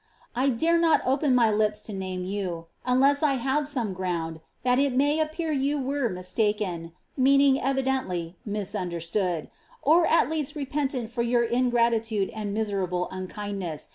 I dare not op«)n my lips to name joa, unless I may have some ground that it may appear you were mi»4aken (meanings tvidentljf, misumderttood)^ or at least repentant lor your ingratitude and miserable unkindness.